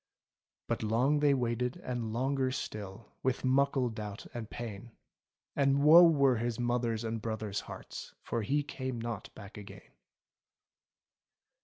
But long they waited, and longer still. With muckle doubt and pain. And woe were his mother's and brother's heartSy For he came not back again.